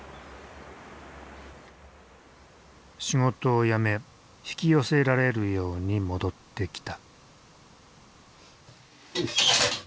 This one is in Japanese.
仕事を辞め引き寄せられるように戻ってきた。